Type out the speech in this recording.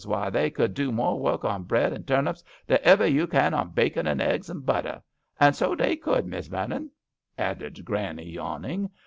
Why, they could do more work on bread and turnips than iver you can on bacon and eggs and butter.* And so they could, Miss Vernon," added Granny, yawn ing.